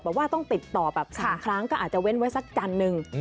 ว่าต้องติดต่อแบบ๓ครั้งก็อาจจะเว้นไว้สักจันทร์นึง